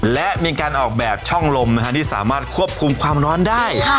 และมีการออกแบบช่องลมที่สามารถควบคุมความร้อนได้